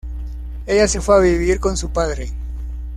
Ella se fue a vivir con su padre.